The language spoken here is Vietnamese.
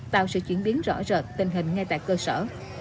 tạo sự chuyển biến rõ rệt tình hình ngay tại cơ sở